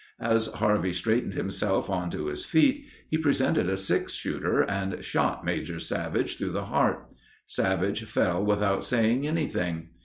As Harvey straightened himself onto his feet, he presented a six shooter and shot Major Savage through the heart. Savage fell without saying anything.